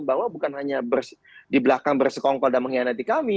bahwa bukan hanya di belakang bersekongkol dan mengkhianati kami